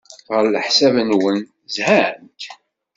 Ɣef leḥsab-nwen, zhant?